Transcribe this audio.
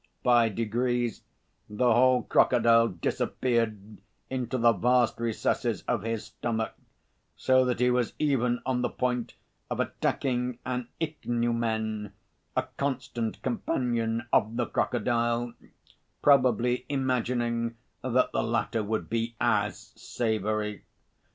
By degrees the whole crocodile disappeared into the vast recesses of his stomach, so that he was even on the point of attacking an ichneumon, a constant companion of the crocodile, probably imagining that the latter would be as savoury.